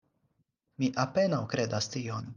Mi apenaŭ kredas tion.